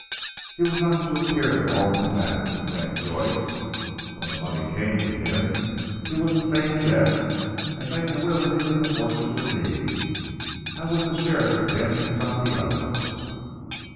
"He was not to appear at all in the matter," explained Joyce. "When the money came to him, he was to feign death and make a will leaving the fortune to me; I was to share it with him and Santiago."